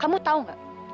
kamu tau nggak